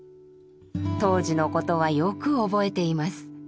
当時のことはよく覚えています。